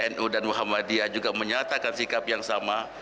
nu dan muhammadiyah juga menyatakan sikap yang sama